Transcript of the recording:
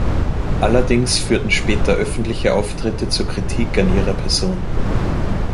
Allerdings führten später öffentliche Auftritte zu Kritik an ihrer Person.